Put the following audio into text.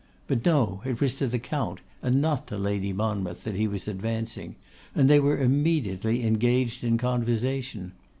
But no, it was to the Count, and not to Lady Monmouth that he was advancing; and they were immediately engaged in conversation.